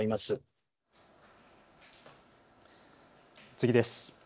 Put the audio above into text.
次です。